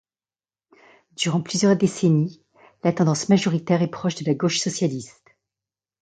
Durant plusieurs décennies, la tendance majoritaire est proche de la gauche socialiste.